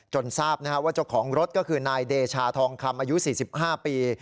จนทราบนะฮะว่าเจ้าของรถก็คือนายเดชาทองคำอายุสี่สิบห้าปี